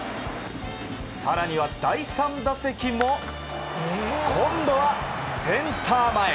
更には第３打席も今度はセンター前。